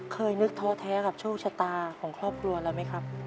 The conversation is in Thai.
เคยนึกท้อแท้กับโชคชะตาของครอบครัวเราไหมครับ